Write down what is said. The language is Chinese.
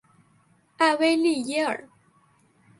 埃维利耶尔。